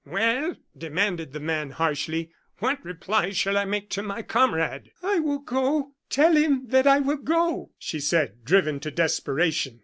"Well!" demanded the man, harshly. "What reply shall I make to my comrade?" "I will go tell him that I will go!" she said, driven to desperation.